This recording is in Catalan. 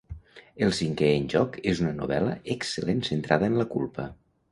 El cinquè en joc és una novel·la excel·lent centrada en la culpa.